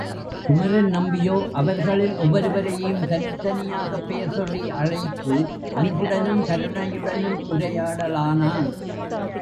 குமரன் நம்பியோ அவர்களில் ஒவ்வொருவரையும் தனித் தனியாகப் பெயர் சொல்லி அழைத்து அன்புடனும் கருணையுடனும் உரையாடலானான்.